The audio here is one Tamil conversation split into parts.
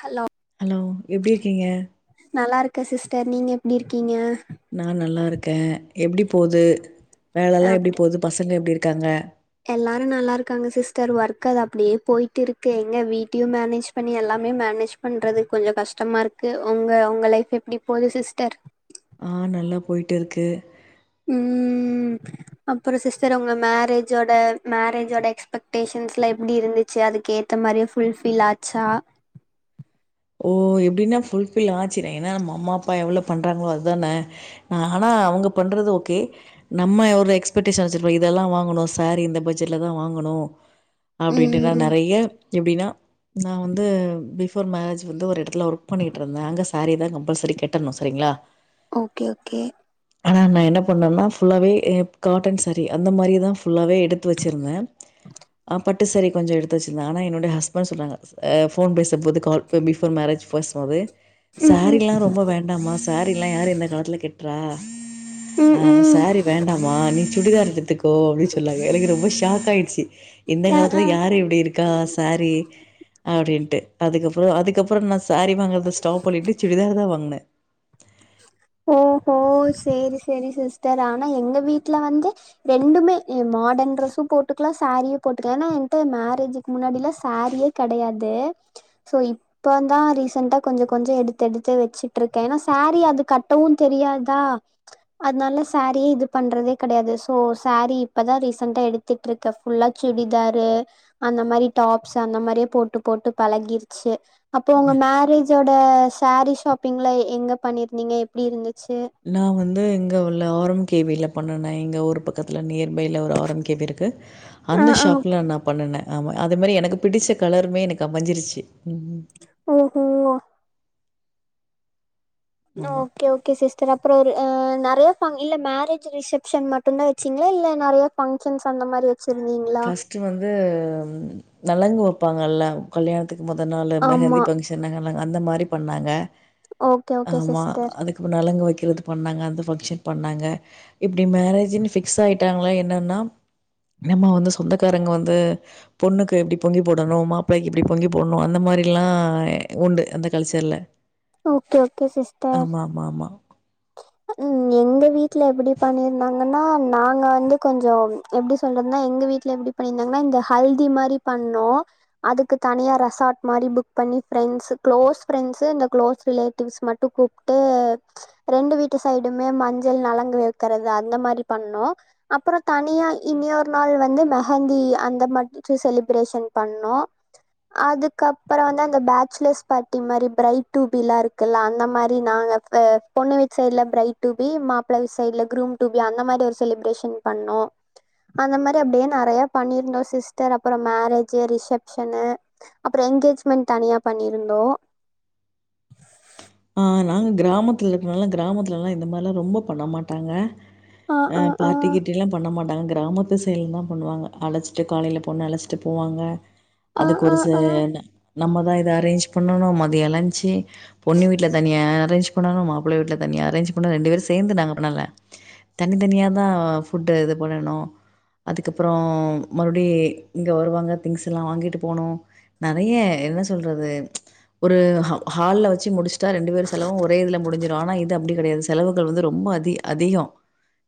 ஹலோ ஹலோ எப்டி இர்க்கீங்க நல்லாருக்க சிஸ்டர் நீங்க எப்டி இர்க்கீங்க நா நல்லாருக்க எப்டி போது வேலல்லா எப்டி அப்டி போது பசங்க எப்டி இர்க்காங்க எல்லாரு நல்லாருக்காங்க சிஸ்டர் ஒர்க் அது அப்டியே போயிட் இருக்கு எங்க வீட்டியு மேனேஜ் பண்ணி எல்லாமே மேனேஜ் பண்றது கொஞ்ச கஷ்டமாருக்கு ஒங்க ஒங்க லைஃப் எப்டி போது சிஸ்டர் ஆ நல்லா போய்ட் இருக்கு ம் அப்புற சிஸ்டர் உங்க மேரேஜோட மேரேஜோட எக்ஸ்பெக்டேஷன்ஸ்லா எப்டி இருந்துச்சு அதுக்கே தமாரியே ஃபுல் ஃப்பில் ஆச்சா ஓ எப்டின்னா ஃபுல் ஃபில் ஆச்சுரே ஏன்னா நம்ம அம்மாப்பா எவ்ளோ பண்றங்ளோ அது தான அ ஹனா அவுங்க பண்றது ஓகே நம்ம எ ஒரு எக்ஸ்பெக்டேஷ வச்சிருப்போ இதல்லா வாங்குணு சாரீ இந்த பச்ஜெட்லதா வாங்குணு அப்டின்ட்டு நா ம் நெறைய எப்டினா நா வந்து பிஃபோர் மேரேஜ் வந்து ஒரு எடத் த்துல ஒர்க் பண்ணிட்ருந்த அங்க சாரி தா கம்ப்பல்சரி கெட்டணு சரிங்ளா ஓகே உக்கே ஆனா நா என்ன பண்ணன்னா ஃபுல்லாவே ஏ காட்டன் சாரி அந்த மாரியே தா ஃபுல்லாவே எட் டுத்து வச்சிருந்த அ பட் ட்டு சாரரி கொஞ்ச எடுத்து வச்சிர்ந்த ஆனா என்னோட ஹஸ்பண்ட் சொல்றாங்க அ ஃபோன் பேச பொது கால் உ பிஃபோர் மேரேஜ் ஃபோஸ்வ அது ம் சாரில்லா ரொம்ப வேண் டாமா சாரிலா யார் இந்த காலத்துல கெட்ரா ம் ம் அ ம் சாரி வேண்டாமா நீ சுடிதார் எடுத்துக்கோ அப்டின் சொல்லாங்க எனக்கு ரொம்ப ஷாக் ஆயிட்ச்சி இந்த ஆ காலத்துல ஆ யார் இப்டி இருக்கா சாரி அப்டின்ட்டு அதுக்கப்புறோ அதுக்கப்புறோ நா சாரி வாங்குறத ஸ்டாப் பண்ணிட்டு சுடிதார்தா வாங்ன ஓஹோ சேரி செரி சிஸ்டர் ஆனா எங்க வீட்ல வந்து ரெண்டுமே ஏ மாடன் ட்ரெஸ்ஸு போட்டுக்லா சாரியு போட்டுக்லா ஏன்னா என்ட்ட மேரேஜுக் முன்னாடில சாரியே கடயாது சோ இப்பந்தா ரீசண்ட்டா கொஞ்ச கொஞ்ச எடுத் எடுத்து வெச்சிட்ருக் ஏனா சேர் ரி அது கட்டவு தெரியாதா அத்னால சாரியே இது பண்றதே கடையாது சோ சரி இப்பதா ரீசண்ட்டா எடுத் திட்ருக்க ஃபுல்லா சுடிதாரு அந்த மாரி டாப்ஸ் அந்த மாரியே போட்டு போட்டு பழகிருச்சு அப்போ உங்க மேரேஜோட சாரீ ஷாப்பிங்ல எங்க பண்ணிருந்தீங்க எப்டி இருந்துச்சு நா வந்து இங்க உள்ள ஆர் எம் கே வி ல பண்ணுன எங்க ஊர் பக்கத்துல நியர் பையில ஒரு ஆர் எம் கே வி இருக்கு ஆ அந்த ஆ ஓகே ஷாப்ல நா பண்ணுனே ஆமா அது மாரி எனக்கு பிடிச்ச கலருமே எனக்கு அமஞ்சிருச்சு ஓஹோ ஆமா. ஓகே ஓகே சிஸ் அப்புற ஒரு ஆ நெறைய ஃப இல்ல மேரேஜ் ரிசப்ஷன் மட்டு தா வச்சிங்களா இல்ல நெறையா ஃபங்க்ஷன்ஸ் அந்த மாரி வச்சிருந்திங்கள ஃபர்ஸ்ட்டு வந்து நலங்கு வைப்பாங்கல்ல கல்யாணத்துக்கு மொத நாளு ஆமா மெஹந்தி பங் [unintelligible] அந்த மாரி பண்ணாங்க ஓகே ஓகே ஆமா சிஸ்டர் அதுக் நலங்கு வைக்கிறது பண்ணாங்க அந்த ஃபங்க்ஷன் பண்ணாங்க இப்டி மேரேஜன்னு பபிக்ஸ் ஆயிட்டாங்களா என்னன்னா நம்ம வந்து சொந்தக்காரங்க வந்து பொண்ணுக்கு எப்டி பொங்கி போடணும் மாப்பிள்ளை்கக்கு எப்டி பொங்கி போடணும் அந்த மாரிலா உண்டு அந்த கல்ச்சர்ல ஓகே ஓகே சிஸ்டர் மாமா ம் எங்க வீட்ல எப்டி பண்ணிருந்தாங்கன்னா நாங்க வந்து கொஞ்சோ எப்டி சொல்றது நா எங்க வீட்ல எப்டி பன்னிருந்தாங்கன இந்த ஹல்தி மாரி பண்ணோ அதுக்கு தனியா ரெசார்ட் மாரி புக் பண்ணி ஃப்ரண்ட்ஸ் குளோஸ் ஃப்ரெண்ட்ஸ் இந்த குளோஸ் ரிலேட்டிவ்ஸ் மட்டு கூப் ட்டு ரெண்டு வீட்டு சைடுமே மஞ்சள் நலங்கு வைக்கறது அந்த மாரி பண்ணோ அப்றோ தனியா இனியொரு நாள் வந்து மெஹந்தி அந்த மாட்டி செலிப்ரேஷன் பண்ணோ அதுக்கப்றோ வந்து அந்த பேச்சலர்ஸ் பார்ட்டி மாரி பிரைட் டூபிலா இருக்குல்ல அந்த மாரி நாங்க அ பொண்ணு வீ சைட்ல பிரைட் டூபி மாப்ள வீட் சைடுல குரூம் டூபி அந்த மாரி ஒரு செலிப்ரேஷன் பண்ணோ அந்த மாரி அப்டியே நெறைய பண்ணியிருந்தோ சிஸ்டர் அப்றோ மேரேஜு ரிசப்ஷனு அப்றோ எனங்கேஜ்மெண்ட் தனியாக பண்ணியிருந்தோ ஆ நாங்க கிராமத்துல இருக்கனாலா கிராமத்துலல்லா இந்த மாரில்லா ரொம்ப பண்ண மாட்டாங்க ஆ பார்ட்டி கிர்ட்டி எல்லா பண்ண மாட்டாங்க கிராம த்து சைல தா பண்ணுவாங்க அழச்சிட்டு காலையில பொண்ணு அழச்சிட்டு போவாங்க ஆ அதுக்கு ஒரு ஆ ச ஆ நம்மதா இத அரேஞ்ச் பண்ணணு மதிய லஞ்சு பொண்ணு வீட்ல தனியா அரேஞ் பண்ணனு மாப்பிள்ள வீட்ல தனிய அரேஞ்ச் பண்ணா ரெண்டு பேரு சேந்து நாங்க பண்ணல தனித்தனியாக தா ஃபுட்டு இது பண்ணணு அதுக்கப்றோ மறுபடி இங்க வருவாங்க திங்க்ஸ் எல்லா வாங்கிட்டு போனு நெறைய என்ன சொல்றது ஒரு ஹ ஹால்ல வச்சு முடிச்சுட்டா ரெண்டு பேர் செலவு ஒரே இதுல முடிஞ்சிடு ஆனா இது அப்டி கிடையாது செலவுகள் வந்து ரொம்ப அதி அதிகோ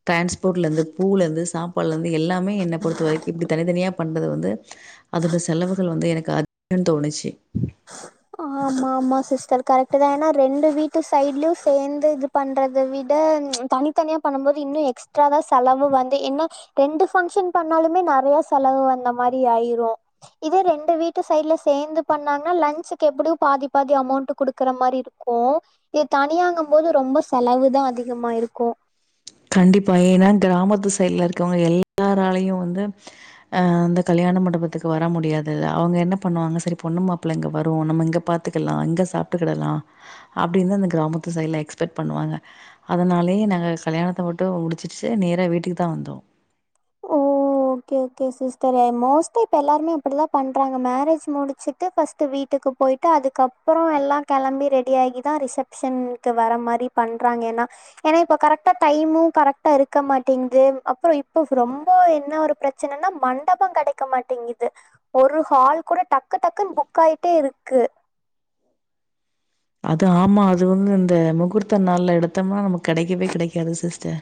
டிரான்ஸ்போர்ட்லருந்து பூலருந்து சாப்பாலேருந்து எல்லாமே என்ன பொருத்த வரைக்கு இப்டி தனித்தனியா பண்றது வந்து அதோட செலவுகள் வந்து எனக்கு அத் தோணுச்சு [inaudible] ஆமாம்மா சிஸ்டர் கரெக்டு தா ஏன்னா ரெண்டு வீட்டு சைட்லயு சேர்ந்து இது பண்றத விட தனித்தனியா பண்ணு போது இன்னு எக்ஸ்ட்ரா தா செலவு வந்து என்ன ரெண்டு பஃங்க்ஷன் பண்ணாலுமே நெறைய செலவு வந்த மாரி ஆயிரு இதே ரெண்டு வீட்டு சைடு்ல சேர்ந்து பண்ணாங் [unintelligible] லன்சுக்கு எப்படியு பாதி பாதி அமௌண்ட் குடுக்கற மாரி இருக்கு இது தனியாங்கு போது ரொம்ப செலவு தா அதிகமாயிருக்கு கண்டிப்பா ஏன்னா கிராமத்து சைட்ல இருக்கவங்க எல்லாராலயையு வந்து ஆ அந்த கல்யாண மண்டபத்துக்கு வர முடியாது அவங்க என்ன பண்ணுவாங்க சரி பொண்ணுமாப்பிள்ள அங்க வரோ நம்ம இங்கே பாத்து பத்துக்கலா இங்க சாப்பிட்டுக்கிடலா அப்டின்னு அந்த கிராமத்து சைட்ல எக்ஸ்பெக்ட் பண்ணுவாங்க அதனாலயே நாங்க கல்யாண போட்டோவ முடிச்சிடுச்சு நேரா வீட்டுக்கு தா வந்தோ ஓ ஓக்கே ஓக்கே சிஸ்டர் மோஸ்ட்லி இப்ப எல்லாருமே அப்படிதா பண்றாங்க மேரேஜ் முடிச்சுட்டு பஸ்ட்டு வீட் வீட்டுக்கு போயிட்டு அதுக்கப்புறோ எல்லா கெளம்பி ரெடி ஆகி தா ரிசப்ஷனுக்கு வர மாரி பண்ணுறாங்க ஏன்னா ஏன்னா இப்ப கரெக்டா டைமு கரெக்டா இருக்க மாட்டங்குது அப்புறோ இப்ப ரொம்ப என்ன ஒரு பிரச்சனைன்னா மண்டபோ கெடைக்க மாட்டேங்குது ஒரு ஹால் கூட டக்கு டக்குன்னு புக் ஆயிட்டே இருக்கு அது ஆமா அதுவு இந்த முகூர்த்த நாள்ல எடுத்தோம்னா நமக்கு கெடைக்கவே கெடைக்காது சிஸ்டர்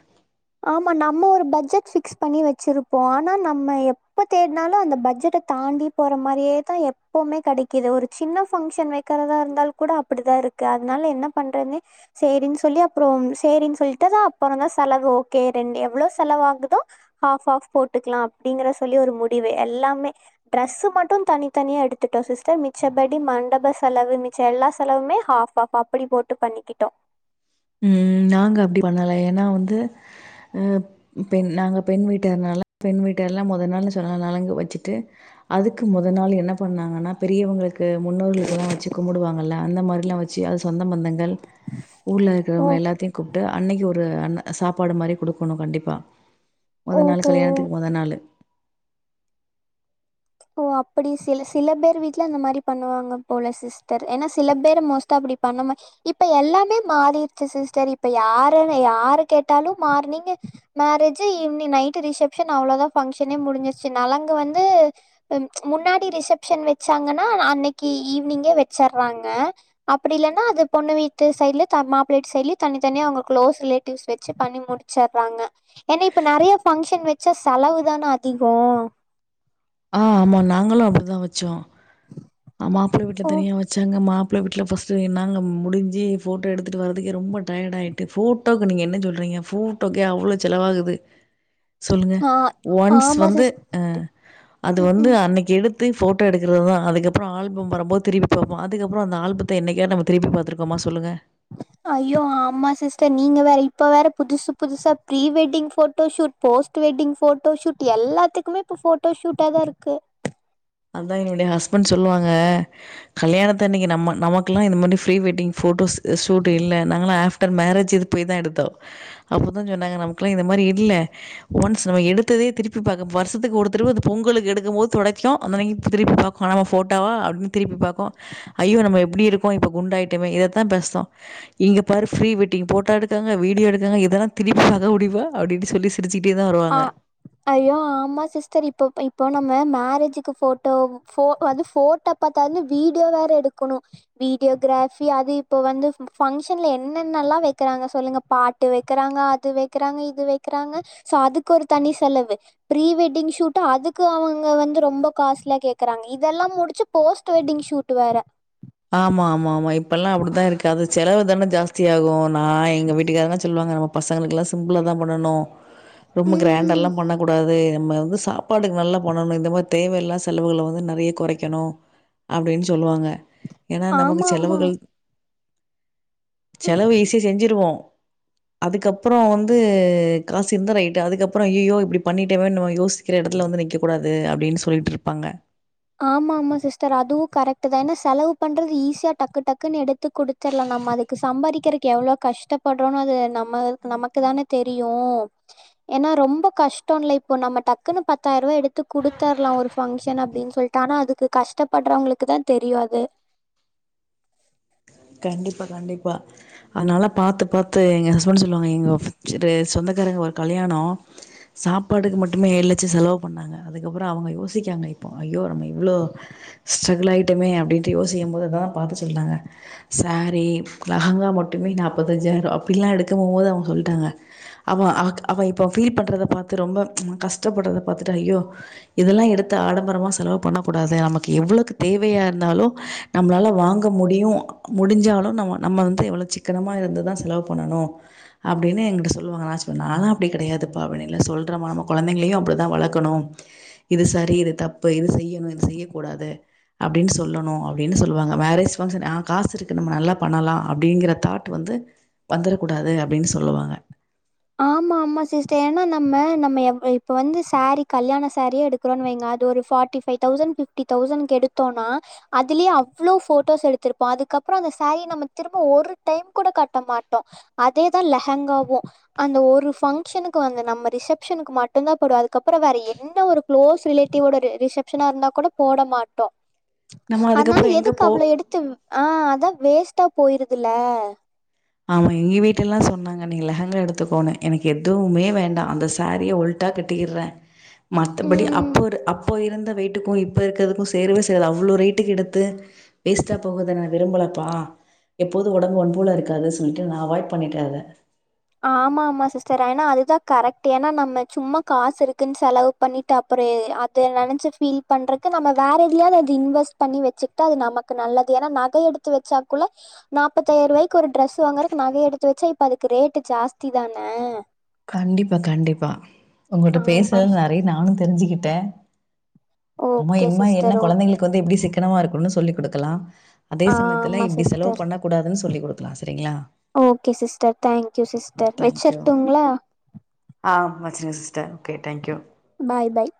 ஆமா நம்ம ஒரு பட்ஜெட் ஃபிக்ஸ் பண்ணி வச்சிருப்போ ஆனா நம்ம எப்ப தேட்னாலு அந்த பட்ஜெட்ட தாண்டி போற மாரியே தா எப்பவுமே கெடைக்குது ஒரு சின்ன பங்க்ஷன் வெக்கர தா இருந்தால் கூட அப்படிதா இருக்கு அதனால என்ன பண்றது சேரின்னு சொல்லி அப்புறோ சேரின்னு சொல்லிட்டு தா அப்புறோந்தா செலவு கே ரன் எவ்வளோ செலவாகுதோ ஹாஃப் ஹாஃப் போட்டுக்கலா அப்படிங்கற சொல்லி ஒரு முடிவு எல்லாமே ட்ரெஸு மட்டு தனித்தனியா எடுத்துட்டோ சிஸ்டர் மிச்சபடி மண்டப செலவு மிச்ச எல்லா செலவுமே ஹாஃப் ஹாஃப் அப்படி போட்டு பண்ணிக்கிட்டோ ம் நாங்க அப்டி பண்ணல ஏன்னா வந்து அ இப்ப நாங்க பெண் வீட்டர்னால பெண் வீட்டர் எல்லா மொதல் நாள்ல சொல்ல நலங்கு வச்சுட்டு அதுக்கு மொத நாள் என்ன பண்ணாங்கன்னா பெரியவங்கள கு முன்னோர்களுக்குல்லா வச்சு கும்பிடுவாங்கல அந்த மாரிலா வெச்சு அது சொந்த பந்தங்கள் ஊர்ல ஓ வங்க எல்லாத்தையு கூப்பிட்டு அன்னைக்கு ஒரு அ சாப்பாடு மாரி கொடுக்கணு கண்டிப்பா முதல் நாள் ஓஹோ கல்யாணத்துக்கு மொத நாள்ளு ஓ அப்படி சில சில பேர் வீட்டுல அந்த மாரி பண்ணுவாங்க போல சிஸ்டர் ஏன்னா சில பேர் மோஸ்ட் அப்டி பண்ணாம இப்ப எல்லாமே மாறிடுச்சு சிஸ்டர் இப்ப யாருன்ன யாரு கேட்டாலு morning marriage evening night reception அவ்வளோதா பங்க்ஷனே முடிஞ்சிருச்சு நலங்கு வந்து முன்னாடி ரிசப்ஷன் வச்சாங்கன்னா அன்னைக்கு ஈவினிங்கே வெச்சுறாங்க அப்படி இல்ன்னா அது பொண்ணு வீட்டு சைட்ல தா மாப்பிளவீட்டு சைட்ல தனி தனியா அவங்க க்ளோஸ் ரிலேட்டிவ்ஸ் வச்சு பண்ணி முடிச் ச்சர்றாங்க ஏன்னா இப்ப நெறைய பங்க்ஷன் வெச்சா செலவு தானே அதிகோ ஆ ஆமா நாங்களு அப்படிதா வச்சோ ஆ மாப்பிள்ள வீட்டுல தனியா வச்சாங்க மாப்பி மாப்பிள வீட்டுல ஃபஸ்டு நாங்க முடிஞ்சு ஃபோட்டோ எடுத்துட்டு வரதுக்கே ரொம்ப டயர்ட் ஆயிட்டு ஃபோட் ஃபோட்டோக்கு நீங்க என்ன சொல்றீங்க ஃபோட்டோக்கே அவ்ளோ செலவாகுது சொல்லுங்க ஆ ஒன்ஸ் ஆமா வந்து சிஸ் அ அது ம் வந்து ம் அன்னைக்கு எடுத் போட்டோ எடுக்கிறதுதா அதுக்கு அப்புறோ ஆல்பம் வரும்போது திருப்பி பாப்போ அதுக்கப்புறோ அந்த ஆல்பத்த என்னைக்காது நம்ம திருப்பி பாத்திருக்கோமா சொல்லுங்க ஐயோ ஆம்மா சிஸ்டர் நீங்க வேற இப்ப வேற புதுசு புதுசா pre wedding photo shoot post wedding photoshoot எல்லாத்துக்குமே இப்ப போட்டோ ஷூட்டாக தா இருக்கு அதா என்னுடைய ஹஸ்பண்ட் சொல்லுவாங்க கல்யணத்து அன்னைக்கு நம்ம நமக்கெல்லா இந்த மாரி ப்ரி வெட்டிங் போட்டோஸ் ஷூட் இல்ல நாங்கல்லா ஆஃப் ஆஃடர் மேரேஜ் இது போய் தா எடுத்தோ அப்போதா சொன்னாங்க நமக்கெல்லா இந்த மாரி இல்ல ஒன்ஸ் நம்ம எடுத்ததே திருப்பி பாக் வருஷத்துக்கு ஒரு தடவ இந்த பொங்கலுக்கு எடுக்கும் போது தொடைக்கு அந்தனைக்கு திருப்பி பாக்கு ஆனா நம்ம போட்டாவா அப்டின்னு திருப்பி பாக்கு ஐயோ நம்ம எப்டி இருக் இப்ப குண்டாயிட்டமே இதத்தா பேசுறோ இங்க பாரு ப்ரீ வெட்டிங் போட்டோ எடுக்காங்க வீடியோ எடுக்காங்க இதெல்லா திருப்பி பாக்க முடியுமா அப்படின் சொல்லி சி சிருச்சிக்கிட்டே தா ஆ வருவாங்க ஐயோ ஆமா சிஸ்டர் இப்போ இப்போ நம்ம மேரேஜுக்கு போட்டோ போ அது போட்டோ பத்தாதுனு வீடியோ வேற எடுக்கணு வீடியோ கிராஃபி அது இப்ப வந்து பங்க்ஷன்ல என்னென்னல வைக்கிறாங்க சொல்லுங்க பாட்டு வைக்கிறாங்க அது வைக்கிறாங்க இது வைக்கிறாங்க சோ அதுக் ஒரு தனி செலவு ப்ரீ வெட்டிங்ஷூட் அதுக்கு அவங்க வந்து ரொம்ப காஸ்ட்லியா கேக்குறாங்க இதெல்லா முடிச்சு போஸ்ட் வெட்டிங் ஷூட் வேர ஆமா ஆமா ஆமா இப்பல்லா அப்டிதா இருக்கு அது செலவு தான ஜாஸ்தியா ஆகு நா எங்க வீட்டுக்கார சொல்லுவாங்க நம்ம பசங்களுக் எல்லா சிம்பிளா தா பண்ணணும் ரொம்ப ம். கிராண்டால்லா பண்ண கூடாது நம்ம வந்து சாப்பாடுக்கு நல்லா பண்ணணும் இந்த மாதிரி தேவையில்லா செலவுகள வந்து நெறைய குறைக்கணு அப்டின்னு சொல்வாங்க ஏனா நமக்கு ஆமாமா. செலவுகள் ம். செலவு ஈசியா செஞ்சிருவோ அதுக்கப்பற வந்து காசு இருந்தா ரைட் அதுக்கப்பற ஐய்யோ இப்டி பண்ணிட்டோமே நம்ம யோசி சில எடத்துல வந்து நிக்க கூடாது அப்டினு சொல்லிட்டு இருப்பாங்க ஆமா ஆமா சிஸ்டர் அதுவு கரெக்ட் தான செலவு பண்றது ஈஸியா டக்கு டக்குனு எடுத்து குடு துருள்ளா நம்ம அதுக்கு சம்பாதிக்கிறதுக்கு எவ்வள கஷ்டப்படுறேன்னு அது நம்ம நமக்கு தான தெரியு ஏனா ரொம்ப கஷ்ட இல்ல இப்போ நம்ம டக்குன்னு பத்தாயிர ரூபா எடுத்து குடுத்தரலா ஒரு ஃபங்க்ஷன் அப்டின்னு சொல்லிட்டு ஆனா அதுக்கு கஷ்டப்படறவங்களுக்கு தா தெரியு அது கண்டிப்பா கண்டிப்பா அதுனால பாத்து பாத்து எங்க ஹஸ்பண்ட் சொல்லுவாங்க எங்க இரு சொந்தகாரங்க ஒரு கல்யாண சாப்பாடுக்கு மட்டுமே ஏழு லட்ச செலவு பண்ணாங்க அதுக்கப்பற அவங்க யோசிக்காங்க இப்போ ஐயோ நம்ப இவ்வளோ ஸ்ட்ரகுள் ஆயிட்டமே அப்டின்ட்டு யோசிக்கும்போதுதா பார்த்து சொல்றாங்க சாரீ லஹங்கா மட்டுமே நாபத்தஞ்சாயிர அப்டிலா எடுக்க போகும் போது அவங்க சொல்டாங்க அவ அவ இப்ப ஃபீல் பண்றத பார்த்து ரொம்ப கஷ்டப்படுறத பாத்துட்டு ஐயோ இதெல்லா எடுத்து ஆடம்பரமா செலவு பண்ண கூடாது நமக்கு எவ்ளவுக்கு தேவையா இருந்தாலோ நம்ளால வாங்க முடியு முடிஞ்சாலு நம்ம நம்ம வந்து எவ்ளோ சிக்கனமா இருந்து தா செலவு பண்ணணும் அப்டீனு எங்கிட்ட சொல்வாங்க எதாச்சு ஒன்னா நாலா அப்டி கெடையாதுப்பா அப்டி இல்ல சொல்ற [unintelligible] கொழந்தங்களையு அப்டிதா வளக்கணு இது சரி இது தப்பு இது செய்யணு இது செய்ய கூடாது அப்டின்னு சொல்லணும் அப்டின்னு சொல்வாங்க மேரேஜ் ஃபங்க்ஷன் அ காசு இருக்குது நம்ம நல்லா பண்ணலா அப்டிங்கிற தாட் வந்து வந்துர கூடாது அப்டின்னு சொல்வாங்க ஆமா ஆமா சிஸ்டர் ஏன்னா நம்ம நம்ம இப்ப வந்து சாரீ கல்யாண சாரிய எடுக் வைங்க அது ஒரு ஃபார்டி ஃபைவ் தோஸண்ட் ஃபிஃப்டி தோஸண்ட்க்கு எடுத்தோண்ணா அதுலயே அவ்ளோ போட்டோஸ் எடுத்திருப்போ அதுக்கப்பற அந்த சேரி நம்ம திரும்ப ஒரு டைம் கூட கட்ட மாட்டோ அதேதான் லெஹங்காவும் அந்த ஒரு ஃபங்க்ஷனுக்கு வந்து நம்ம ரிசப்ஷனுக்கு மட்டு தான் போடுவோ அதுக்கப்பற வேற எந்த ஒரு குளோஸ் ரிலேட்டியோட ரிசப்ஷனா இருந்தா கூட போட மாட்டோ நம்ம அதனால அதுக்கப்புறம் எங்கே எதுக்கு போ அவ்வளவு எடுத்து ஆஹ் அதா வேஸ்டா போயிருதுல்ல ஆமா எங்க வீட்டு எல்லா சொன்னாங்க நீ லெங்கா எடுத்துக்கோனு எனக்கு எதுவுமே வேண்டா அந்த சாரீ ஒல்ட் டா கட்டிகிற மத்தபடி ம். அப்போ ஒரு அப் அப்போ இருந்த வயிட்டுக்கும் இப்போ இருக்கிறதுக்கும் சேரவே சேராது அவ்ளோ ரேட்டுக்கு எடுத்து வேஸ்ட்டா போகுரத நா விரும்பலப்பா எப்போது உடம்பு ஒன்போல இருக்காது சொல்லிட்டு நா அவாய்ட் பண்ணிட்ட அத ஆமா ஆமா சிஸ்டர் ஆனா அதுதா கரெக்ட் ஏனா நம்ம சும்மா காசு இருக்குன்னு செலவு பண்ணிட்டு அப்புற அத நெனச்சி ஃபீல் பண்றக்கு நம்ம வேற எதையாவது அது இன்வெஸ்ட் பண்ணி வச்சு ட்டா அது நமக்கு நல்லது ஏனா நகை எடுத்து வச்சா குள்ள நாப்பத்தி ஐயாயிரவாக்கி ஒரு டிரெஸ் வாங்குறதுக்கு நகை எடுத்து வச்சா இப்ப அதுக்கு ரேட்டு் ஜாஸ்தி தான கண்டிப்பா கண்டிப்பா உங்கட்ட ஆமா பேசுறதுன்னு நெறய நானு தெரிஞ்சுகிட்ட ஆமா ஓகே இன்ன என்ன சிஸ்டர் ஓ கொழந்தைங்களுக்கு வந்து எப்டி சிக்கனமா இருக்கணுனு சொல்லி் குடுக்கலா அதே சமயத்துல ஆமா இப்டி செலவு சிஸ்டர் பண்ண கூடாதுன்னு சொல்லி் குடுக்கலா சரிங்களா okay sister thank you sister thank you. வச்சிருட்டுங்களா ஆ வச்சிருங்க sister okay thank you bye bye